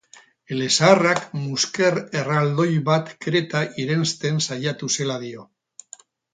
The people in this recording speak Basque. Elezaharrak, musker erraldoi bat Kreta irensten saiatu zela dio.